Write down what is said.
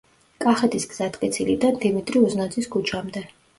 კახეთის გზატკეცილიდან დიმიტრი უზნაძის ქუჩამდე.